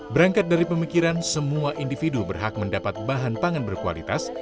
berangkat dari pemikiran semua individu berhak mendapat bahan pangan berkualitas